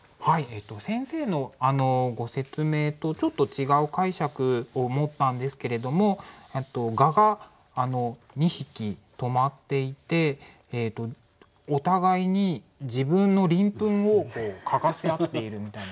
先生のご説明とちょっと違う解釈を持ったんですけれども蛾が２匹止まっていてお互いに自分の鱗粉を嗅がせあっているみたいな